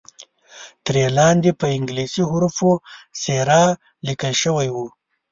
ترې لاندې په انګلیسي حروفو سیرا لیکل شوی وو.